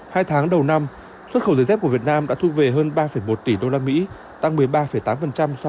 hai tháng đầu năm xuất khẩu giấy dép của việt nam đã thu về hơn ba một tỷ usd tăng một mươi ba tám so với cùng kỳ năm trước